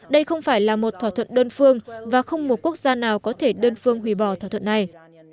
đây không phải là một thỏa thuận đơn phương và không một quốc gia nào có thể đơn phương hủy bỏ thỏa thuận này